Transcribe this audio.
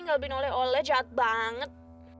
nggak lebih noleh noleh jahat banget